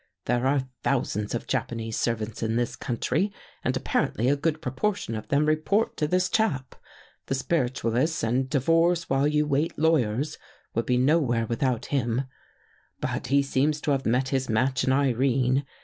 There are thou sands of Japanese servants in this country and ap parently a good proportion of them report to this chap. The spiritualists and divorce while you wait lawyers 'would be nowhere without him. " But he seems to have met his match in Irene.